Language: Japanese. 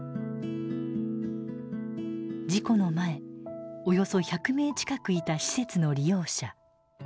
事故の前およそ１００名近くいた施設の利用者。